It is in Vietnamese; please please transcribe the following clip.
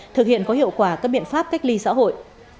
thực hiện có hiệu quả các biện pháp cách ly xã hội